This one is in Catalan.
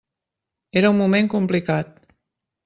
Era un moment complicat.